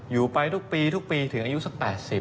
อยู่ไปทุกปีทุกปีถึงอายุสัก๘๐